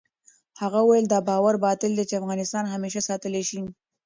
هغه وویل، دا باور باطل دی چې افغانستان همېشه ساتلای شي.